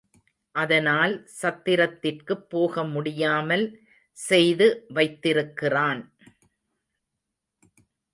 அதனால் சத்திரத்திற்குப் போக முடியாமல் செய்து வைத்திருக்கிறான்.